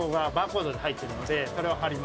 それを貼ります。